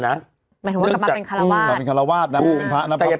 รับมันให้กลับมาเป็นฮารวาส